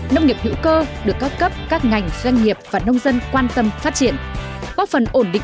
nông nghiệp đạt được tăng trưởng hai năm mươi năm trên một năm